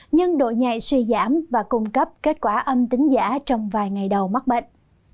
nhưng độ nhạy suy giảm và cung cấp kết quả âm tính giả trong vài ngày đầu mắc bệnh